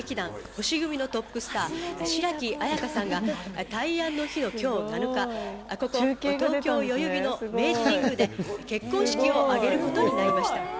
星組のトップスター、白城あやかさんが大安の日のきょう７日、ここ東京・代々木の明治神宮で結婚式を挙げることになりました。